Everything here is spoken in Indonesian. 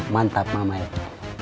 mantap mama ya